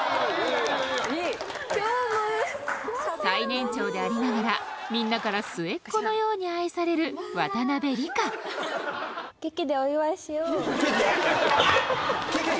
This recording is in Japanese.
最年長でありながらみんなから末っ子のように愛される渡辺梨加ケキ？